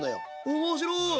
面白い。